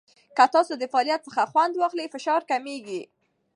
که تاسو د فعالیت څخه خوند واخلئ، فشار کمېږي.